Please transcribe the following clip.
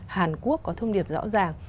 hàn quốc có thông điệp rõ ràng